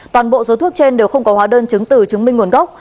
toàn bộ số thuốc trên đều không có hóa đơn chứng từ chứng minh nguồn gốc